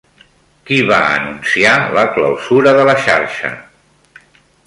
Qui va anunciar la clausura de la xarxa?